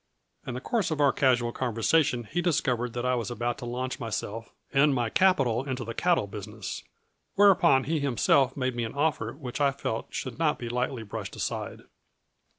In the course of our casual conversation he discovered that I was about to launch myself and my capital into the cattle business, whereupon he himself made me an offer which I felt should not be lightly brushed aside."